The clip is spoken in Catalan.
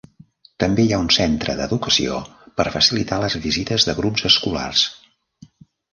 També hi ha un centre d'educació per facilitar les visites de grups escolars.